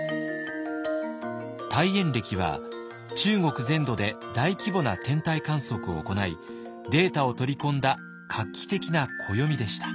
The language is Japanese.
大衍暦は中国全土で大規模な天体観測を行いデータを取り込んだ画期的な暦でした。